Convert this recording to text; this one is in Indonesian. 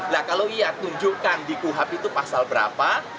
nah kalau iya tunjukkan di kuhap itu pasal berapa